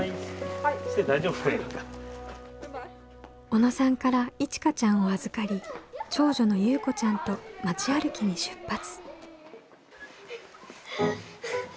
小野さんからいちかちゃんを預かり長女のゆうこちゃんと町歩きに出発。